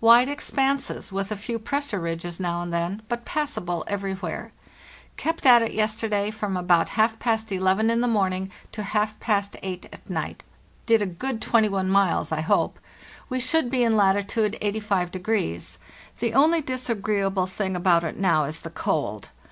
Wide expanses, with a few cg pressure ridges now and then, but passable everywhere. Kept at it yesterday from about half past eleven in the morning to half past eight at might; did a good 21 miles, I hope. We should be in latitude 85°. The only disagreeable thing about it now is the cold.